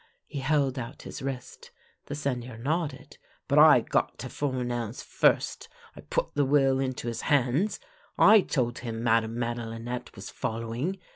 " He held out his wrist. The Seigneur nodded. " But I got to Four nel's first. I put the will into his hands. I told him Madame Madelinette was following.